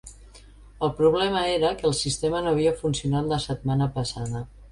El problema era que el sistema no havia funcionat la setmana passada.